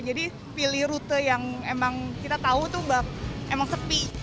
jadi pilih rute yang kita tahu itu emang sepi